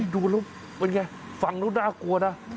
ดูแล้วเป็นไงฟังแล้วน่ากลัวนะ